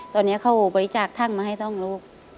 ตอนนี้เขาบริจาคทั่งมาให้ท่องลูก